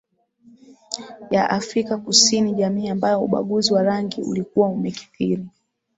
Ya Afrika Kusini jamii ambayo ubaguzi wa rangi ulikuwa umekithiri